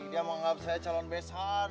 dia menganggap saya calon besan